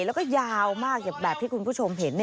แล้วก็ยาวมากอย่างแบบที่คุณผู้ชมเห็น